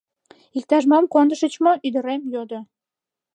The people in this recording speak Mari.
— Иктаж-мом кондышыч мо, ӱдырем? — йодо.